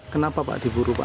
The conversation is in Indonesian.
kenapa pak diburu pak